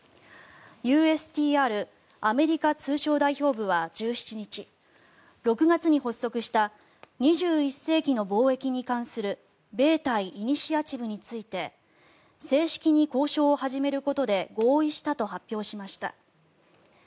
ＵＳＴＲ・アメリカ通商代表部は１７日６月に発足した２１世紀の貿易に関する米台イニシアチブについて正式に交渉を始めることで合意したと発表しました。